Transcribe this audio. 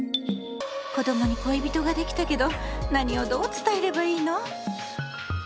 子供に恋人ができたけど何をどう伝えればいいの？